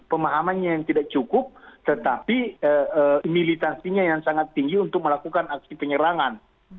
pemahamannya yang tidak cukup tetapi militansinya yang sangat tinggi untuk melakukan aksi penyerangan